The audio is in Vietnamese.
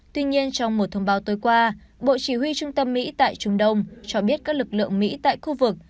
tuy nhiên trong một thông báo tối qua bộ chỉ huy trung tâm mỹ tại trung đông cho biết các lực lượng mỹ tại khu vực